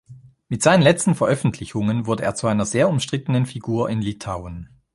Mit seinen letzten Veröffentlichungen wurde er zu einer sehr umstrittenen Figur in Litauen.